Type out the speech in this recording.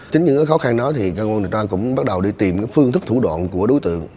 chính những khó khăn đó thì cơ quan điều tra cũng bắt đầu đi tìm phương thức thủ đoạn của đối tượng